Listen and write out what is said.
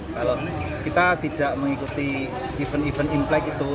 kalau kita tidak mengikuti event event implek itu